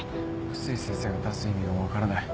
碓井先生が出す意味が分からない